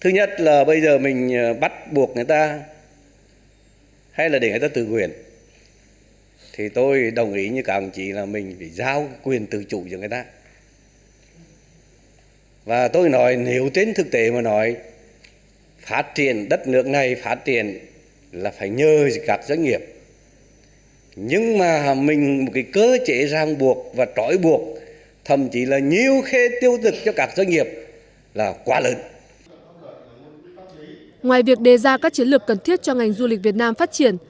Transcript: ngoài việc đề ra các chiến lược cần thiết cho ngành du lịch việt nam phát triển